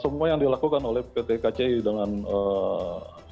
semua yang dilakukan oleh pt kci dengan eee